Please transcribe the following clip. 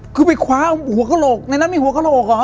คือไปคว้าหัวกระโหลกในนั้นมีหัวกระโหลกเหรอ